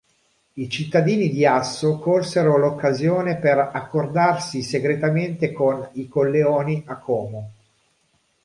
I cittadini di Asso colsero l'occasione per accordarsi segretamente con il Colleoni a Como.